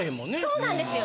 そうなんですよ。